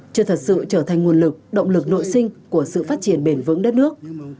chưa thật sự trở thành nguồn lực động lực nội sinh của sự phát triển bền vững đất nước